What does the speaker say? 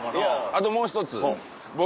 あともう１つ僕